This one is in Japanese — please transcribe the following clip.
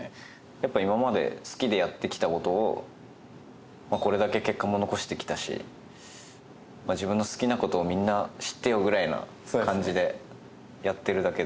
今まで好きでやってきたことをこれだけ結果も残してきたし自分の好きなことをみんな知ってよぐらいな感じでやってるだけで。